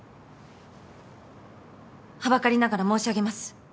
はばかりながら申し上げます。